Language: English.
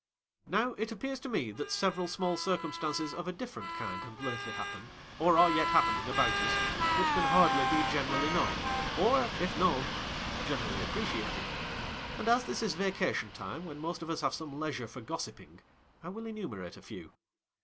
Now, it appears to me that several small circumstances of a different kind have lately happened, or are yet happening, about us, I which can hardly be generally known, or, if i known, generally appreciated. And as this j is vacation time, when most of us have some | leisure for gossiping, I will enumerate a few.